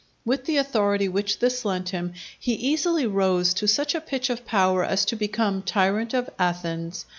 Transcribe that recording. With the authority which this lent him, he easily rose to such a pitch of power as to become tyrant of Athens.